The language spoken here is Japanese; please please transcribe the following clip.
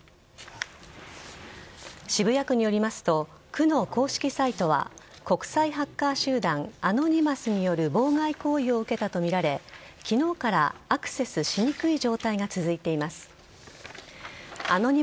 渋谷区によりますと区の公式サイトは国際ハッカー集団アノニマスによる妨害行為を受けたとみられ昨日からアクセスしにくい状態が続いています。